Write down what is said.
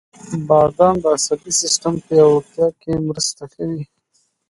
• بادام د عصبي سیستم پیاوړتیا کې مرسته کوي.